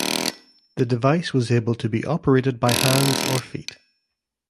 The device was able to operated by hands or feet.